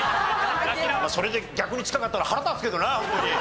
それで逆に近かったら腹立つけどなホントに。